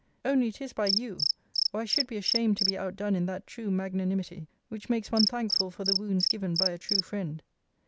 Only it is by YOU, or I should be ashamed to be outdone in that true magnanimity, which makes one thankful for the wounds given by a true friend.